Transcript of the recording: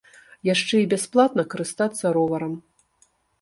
Яшчэ і бясплатна карыстацца роварам.